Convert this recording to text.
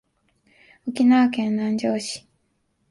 沖縄県南城市